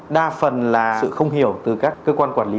đa phần là sự không hiểu từ các cơ quan quản lý